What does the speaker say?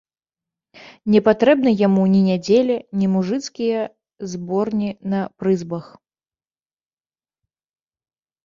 Не патрэбна яму ні нядзеля, ні мужыцкія зборні на прызбах.